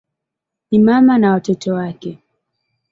Ni mama na watoto wake.